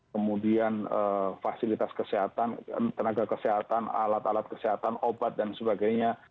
kemudian fasilitas kesehatan tenaga kesehatan alat alat kesehatan obat dan sebagainya